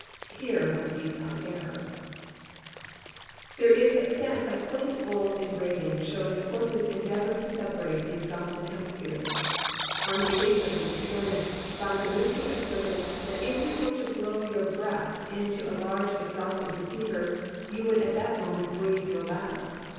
Here must be some error ! There is extant a quaint old engraving showing the horses endeavoring to separate the exhausted hemispheres. On the occasion of this experiment von Guericke asserted that if you were to blow your breath into a large exhausted receiver, you would that moment breathe your last.